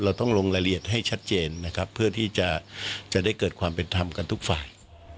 ต้องลงรายละเอียดให้ชัดเจนนะครับเพื่อที่จะจะได้เกิดความเป็นธรรมกันทุกฝ่าย